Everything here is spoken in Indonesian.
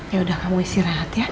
yaudah kamu istirahat ya